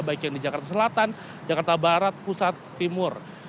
baik yang di jakarta selatan jakarta barat pusat timur